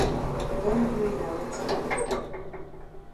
You don do yi na weti?